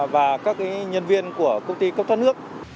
và các nhân viên của công ty công toán nước